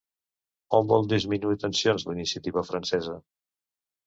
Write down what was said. On vol disminuir tensions la iniciativa francesa?